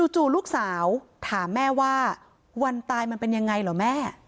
จู่ลูกสาวถามแม่ว่าวันตายมันเป็นยังไงเหรอแม่